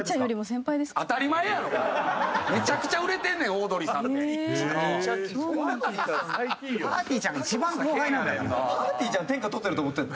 ぱーてぃーちゃん天下取ってると思ってるの？